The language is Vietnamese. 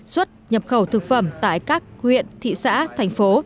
xuất nhập khẩu thực phẩm tại các huyện thị xã thành phố